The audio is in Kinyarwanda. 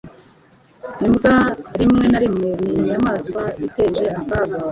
Imbwa rimwe na rimwe ni inyamaswa iteje akaga.